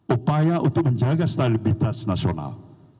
upaya untuk menjaga stabilitas nasional